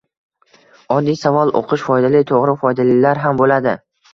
Oddiy savol. Oʻqish foydali, toʻgʻri foydalilari ham boʻladi.